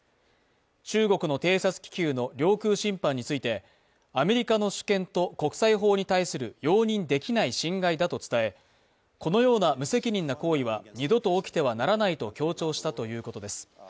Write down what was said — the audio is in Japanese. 中国の偵察気球の領空侵犯についてアメリカの主権と国際法に対する容認できない侵害だと伝え、このような無責任な行為は二度と起きてはならないと強調したということです。